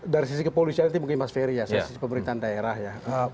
dari sisi kepolisian itu mungkin mas ferry ya sisi pemerintahan daerah ya